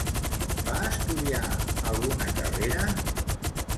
Va estudiar alguna carrera?